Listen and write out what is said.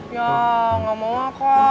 ya gak mau makan